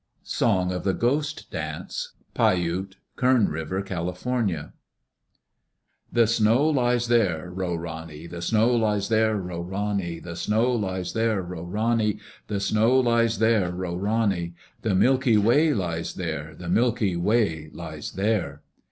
Song of the Ghost Dance Pai Ute (Kern River, Cal.) The snow lies there ro rani! The snow lies there ro rani! The snow lies there ro rani! The snow lies there ro rani! The Milky Way lies there. The Milky Way lies there.